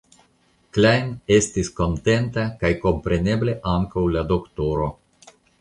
Klajn estis kontenta kaj kompreneble ankaŭ la doktoro.